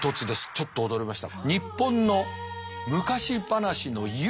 ちょっと驚きました。